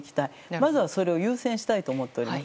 まずはそれを優先したいと思っております。